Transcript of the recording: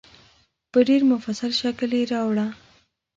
په ډېر مفصل شکل یې راوړه.